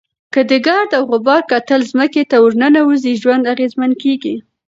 که د ګرد او غبار کتل ځمکې ته ورننوزي، ژوند اغېزمن کېږي.